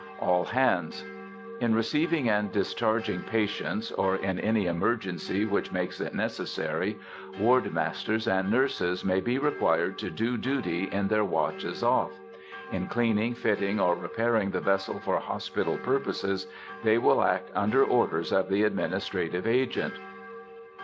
ALL HANDS. In receiving and discharging patients, or in any emergency which makes it necessary, ward masters and nurses may be required to do duty in their watches off. In cleaning, fitting, or repairing the vessel for hospital purposes, they will act under orders of the administrative agent.